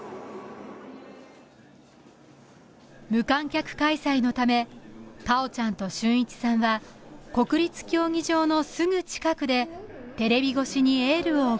無観客開催のため果緒ちゃんと峻一さんは国立競技場のすぐ近くでテレビ越しにエールを送ります